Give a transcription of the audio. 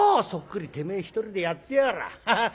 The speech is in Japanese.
「そっくりてめえ一人でやってやがらあ。